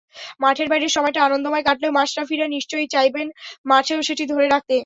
মাঠের বাইরের সময়টা আনন্দময় কাটলেও মাশরাফিরা নিশ্চয়ই চাইবেন মাঠেও সেটি ধরে রাখতে।